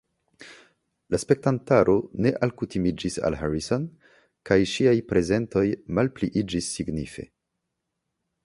La spektantaro ne alkutimiĝis al Harrison kaj ŝiaj prezentoj malpliiĝis signife.